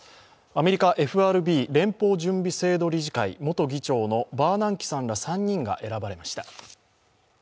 アメリカＦＲＢ＝連邦準備制度理事会元議長のバーナンキさんら３人が選ばれました。